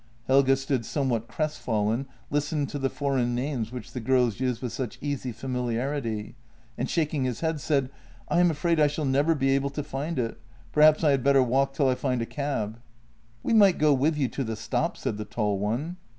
Helge stood somewhat crestfallen, listening to the foreign names which the girls used with such easy familiarity, and, shaking his head, said: " I am afraid I shall never be able to find it — perhaps I had better walk till I find a cab." " We might go with you to the stop," said the tall one.